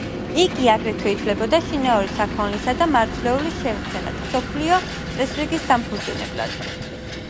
იგი აგრეთვე ითვლებოდა შინაური საქონელისა და მარცვლეულის შემქმნელად, მსოფლიო წესრიგის დამფუძნებლად.